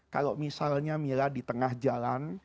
kalau misalnya mila di tengah jalan